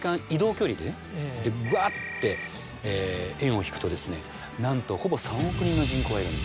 ぐわって円を引くとなんとほぼ３億人の人口がいるんです。